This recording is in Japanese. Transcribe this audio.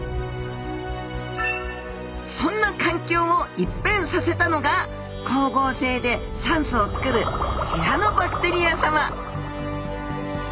そんな環境を一変させたのが光合成で酸素をつくるシアノバクテリアさま